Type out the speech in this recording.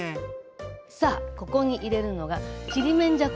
さあここに入れるのがちりめんじゃこ。